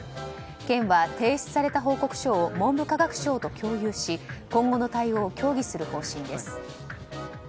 県は提出された報告書を文部科学省と共有し今後の対応を協議する方針です。